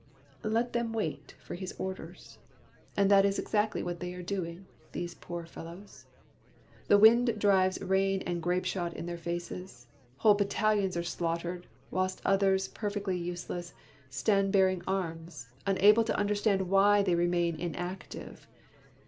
Let them wait for his orders ! And that is ex actly what they are doing, these poor fellows. The wind drives rain and grapeshot in their faces. Whole battalions are slaughtered, whilst others, perfectly useless, stand bearing arms, unable to understand why they remain inactive.